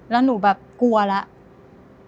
แล้วหนูแบบกลัวแล้ว